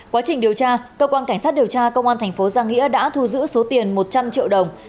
quá trình điều tra cơ quan cảnh sát điều tra công an thành phố giang nghĩa đã thu giữ số tiền một trăm linh triệu đồng